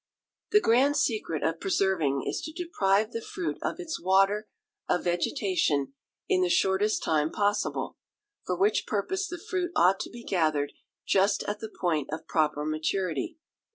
The grand secret of preserving is to deprive the fruit of its water of vegetation in the shortest time possible; for which purpose the fruit ought to be gathered just at the point of proper maturity.